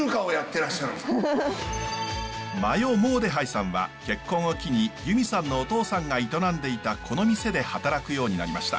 マヨ・モーデハイさんは結婚を機に弓さんのお父さんが営んでいたこの店で働くようになりました。